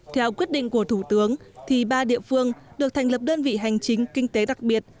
theo quyết định của thủ tướng thì ba địa phương được thành lập đơn vị hành chính kinh tế đặc biệt